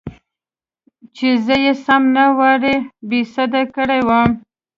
چې زه يې سم له وارې بېسده کړى وم.